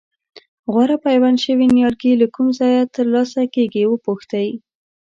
غوره پیوند شوي نیالګي له کوم ځایه ترلاسه کېږي وپوښتئ.